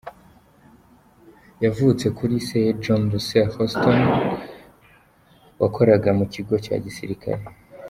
Yavutse kuri se, John Russell Houston, Jr , wakoraga mu kigo cya gisirikare.